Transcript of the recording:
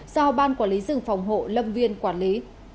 do ban quản lý rừng phòng hộ lâm viên quản lý